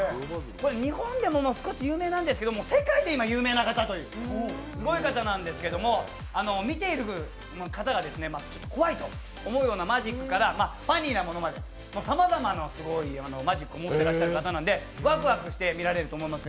日本でも少し有名なんですけど世界で今、有名な方というすごい方なんですけども見ている方が怖いと思うようなマジックからファニーなものまで、さまざまなすごいマジックを持っていらっしゃる方なので、ワクワクして見られると思います。